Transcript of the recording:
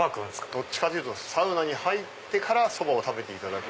どっちかというとサウナに入ってからそばを食べていただく。